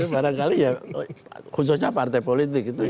kadang kadang khususnya partai politik